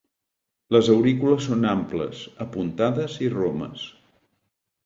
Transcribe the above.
Les aurícules són amples, apuntades i romes.